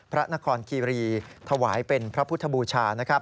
พระนครคีวรีถวายเป็นพระพุทธบูชา